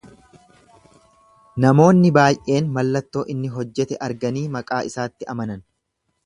Namoonni baay'een mallattoo inni hojjete arganii maqaa isaatti amanan.